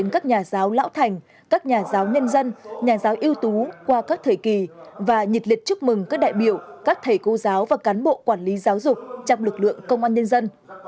các nhà giáo lão thành các nhà giáo nhân dân nhà giáo ưu tú qua các thời kỳ và nhiệt liệt chúc mừng các đại biểu các thầy cô giáo và cán bộ quản lý giáo dục trong lực lượng công an nhân dân